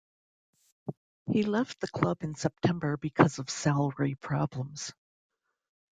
He left the club in September because of salary problems.